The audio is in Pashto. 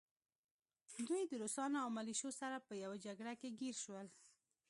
دوی د روسانو او ملیشو سره په يوه جګړه کې ګیر شول